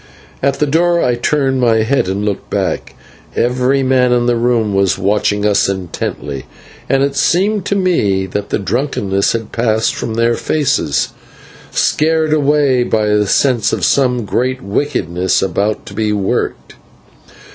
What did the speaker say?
At the door I turned my head and looked back. Every man in the room was watching us intently, and it seemed to me that the drunkenness had passed from their faces, scared away by a sense of some great wickedness about to be worked.